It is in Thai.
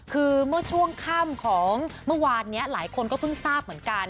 คือเมื่อช่วงค่ำของเมื่อวานนี้หลายคนก็เพิ่งทราบเหมือนกัน